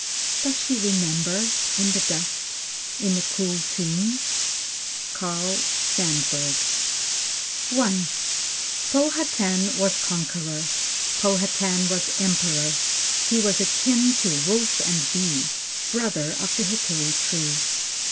does she remember in the dust in the cool tombs?" Carl Sandburg. I Powhatan was conqueror, Powhatan was emperor. He was akin to wolf and bee, Brother of the hickory tree.